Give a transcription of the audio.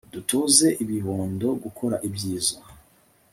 dutoze ibibondo gukora ibyiza